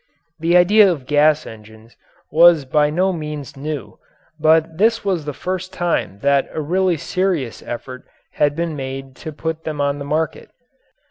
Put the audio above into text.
The idea of gas engines was by no means new, but this was the first time that a really serious effort had been made to put them on the market.